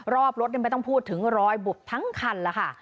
รอบรถไม่ต้องพูดถึงรอยบุบทั้งคันแล้วค่ะ